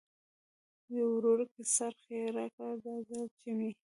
یو وړوکی څرخ یې راکړ، دا ځل چې مې.